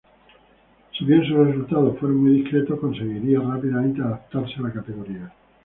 Si bien sus resultados fueron muy discretos, conseguiría rápidamente adaptarse a la categoría.